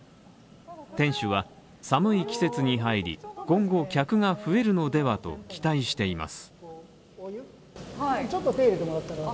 店主は、寒い季節に入り、今後客が増えるのではと期待しています。